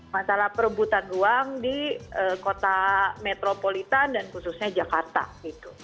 masalah perebutan ruang di kota metropolitan dan khususnya jakarta gitu